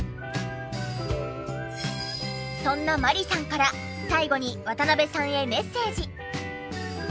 そんな万里さんから最後に渡辺さんへメッセージ。